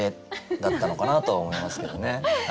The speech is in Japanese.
だったのかなとは思いますけどね。